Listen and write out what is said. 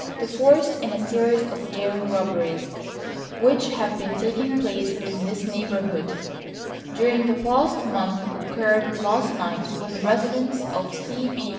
The fourth in a series of daring robberies which have been taking place in this neighbourhood during the past month occurred last night when the residence of C. B.